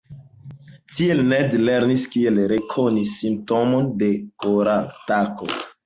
Tiel Ned lernis kiel rekoni simptomon de koratako.